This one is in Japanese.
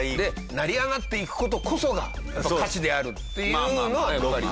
成り上がっていく事こそが歌手であるっていうのはやっぱりね。